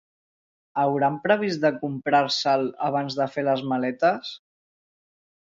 ¿Hauran previst de comprar-se'l abans de fer les maletes?